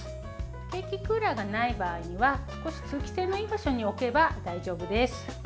ケーキクーラーがない場合は少し通気性のいい場所に置けば大丈夫です。